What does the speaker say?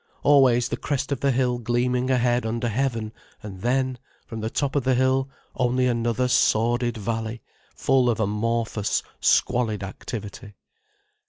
Always the crest of the hill gleaming ahead under heaven: and then, from the top of the hill only another sordid valley full of amorphous, squalid activity.